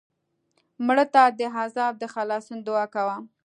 مړه ته د عذاب د خلاصون دعا کوو